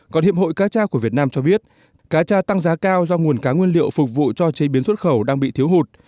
còn hiệp hội cá tra của việt nam cho biết cá tra tăng giá cao do nguồn cá nguyên liệu phục vụ cho chế biến xuất khẩu đang bị thiếu hụt